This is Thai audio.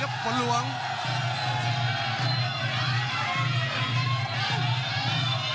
คมทุกลูกจริงครับโอ้โห